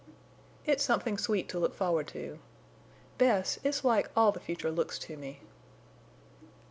"It's something sweet to look forward to. Bess, it's like all the future looks to me."